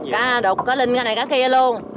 cá đục có linh cái này cá kia luôn